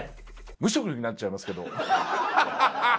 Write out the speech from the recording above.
無職になっちゃいますけど。